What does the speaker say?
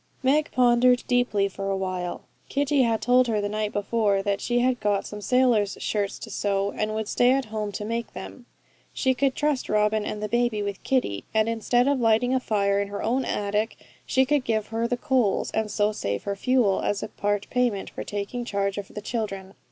Meg pondered deeply for a while. Kitty had told her the night before that she had got some sailors' shirts to sew, and would stay at home to make them. She could trust Robin and the baby with Kitty, and instead of lighting a fire in her own attic she could give her the coals, and so save her fuel, as part payment for taking charge of the children.